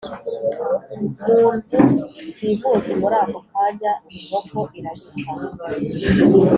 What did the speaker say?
muntu simuzi Muri ako kanya inkoko irabika